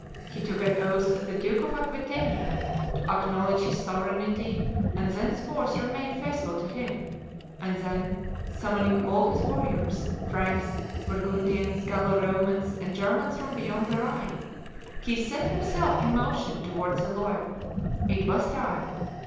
He took an oath of the Duke of Aquitania to acknowledge his sovereignty and thenceforth remain faithful to him; and then, summoning all his warriors, Franks, Burgundians, Gallo Romans, and Germans from beyond the Rhine, he set himself in motion towards the Loire. It was time.